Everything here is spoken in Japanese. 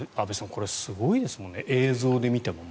これ、すごいですね映像で見ても。